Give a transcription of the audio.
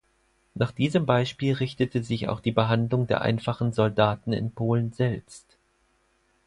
Nach diesem Beispiel richtete sich auch die Behandlung der einfachen Soldaten in Polen selbst.